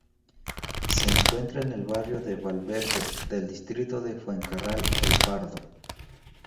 Se encuentra en el barrio de Valverde del distrito de Fuencarral-El Pardo.